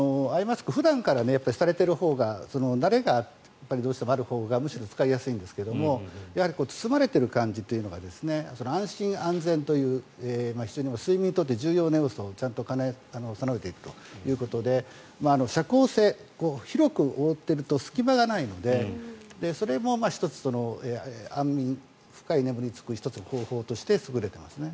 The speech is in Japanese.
普段からされているほうが慣れがあるほうがむしろ使いやすいんですがやはり包まれてる感じというのが安心安全という非常に睡眠にとって重要な要素をちゃんと兼ね備えているということで遮光性広く覆っていると隙間がないのでそれも１つ安眠、深い眠りに就く１つの方法として優れていますね。